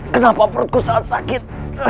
kenapa perutku sangat sakit